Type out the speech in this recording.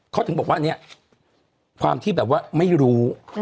เขาถึงบอกว่าเนี่ยความที่แบบว่าไม่รู้